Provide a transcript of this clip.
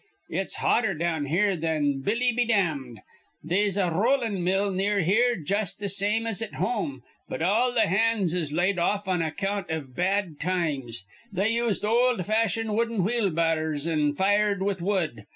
It's hotter down here thin Billy be dam'd. They'se a rollin' mill near here jus' th' same as at home, but all th' hands is laid off on account iv bad times. They used ol' fashioned wooden wheelbahrs an' fired with wood.